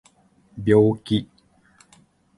病気